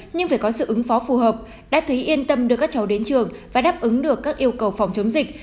nhưng phải có sự ứng phó phù hợp đã thấy yên tâm đưa các cháu đến trường và đáp ứng được các yêu cầu phòng chống dịch